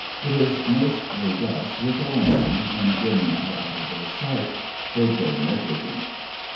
It is mostly thus with all men when women are out of their sight; they grow negligent.